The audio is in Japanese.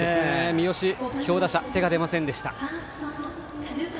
三好、強打者手が出ませんでした。